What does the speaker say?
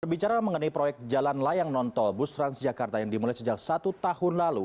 berbicara mengenai proyek jalan layang nontol bus transjakarta yang dimulai sejak satu tahun lalu